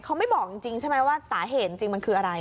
เขาไม่บอกจริงใช่ไหมว่าสาเหตุจริงมันคืออะไร